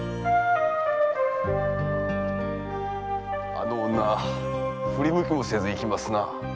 あの女振り向きもせず行きますな。